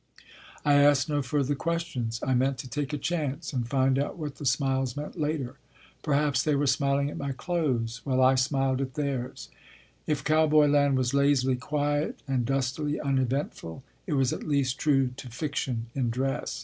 I asked no further questions. I meant to take a chance and find out what the smiles meant later. Perhaps they were smiling at my clothes. Well, I smiled at theirs. If cowboy land was lazily quiet and dustily uneventful, it was at least true to fiction in dress.